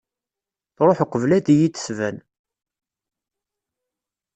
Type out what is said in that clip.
Truḥ uqbel ad yi-d-tban.